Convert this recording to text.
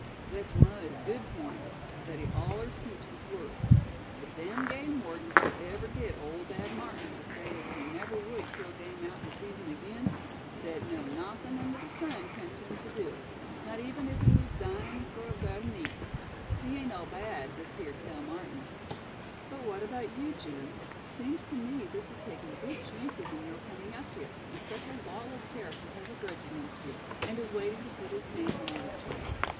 "Thet's one o' his good points, thet he allers keeps his word. If them game wardens cud ever git Ole Dad Martin tuh say as he never wud kill game outen season agin, they'd know nawthin' under the sun'd tempt him tuh do hit, not even if he was a dyin' fuh a bite o' meat. He ain't all bad, this here Cale Martin." "But what about you, Jim; seems to me this is taking big chances in your coming up here, when such a lawless character has a grudge against you, and is waiting to put his stamp on you that way.